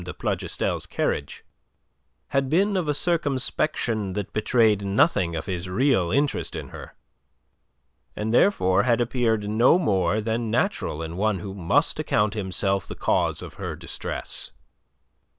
de Plougastel's carriage had been of a circumspection that betrayed nothing of his real interest in her, and therefore had appeared no more than natural in one who must account himself the cause of her distress.